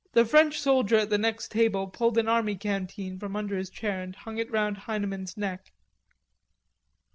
The French soldier at the next table pulled an army canteen from under his chair and hung it round Heineman's neck.